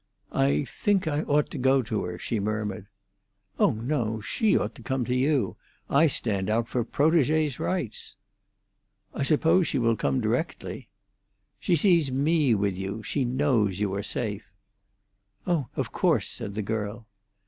"I think I ought to go to her," she murmured. "Oh no; she ought to come to you; I stand out for protégée's rights." "I suppose she will come directly." "She sees me with you; she knows you are safe." "Oh, of course," said the girl.